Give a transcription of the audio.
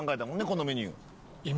このメニュー。